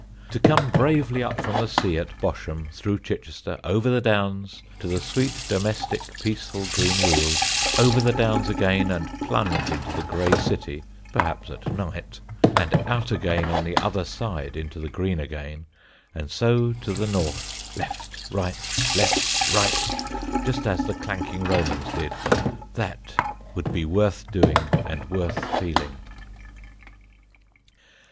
To come bravely up from the sea at Bosham, through Chichester, over the Downs to the sweet domestic peaceful green weald, over the Downs again and plunge into the grey city (perhaps at night) and out again on the other side into the green again, and so to the north, left right, left right, just as the clanking Romans did; that would be worth doing and worth feeling.